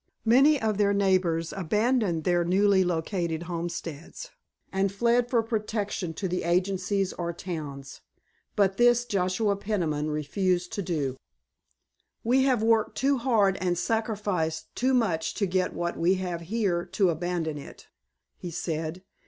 Many of their neighbors abandoned their newly located homesteads and fled for protection to the agencies or towns, but this Joshua Peniman refused to do. "We have worked too hard and sacrificed too much to get what we have here, to abandon it," he said.